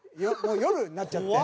夜になっちゃって。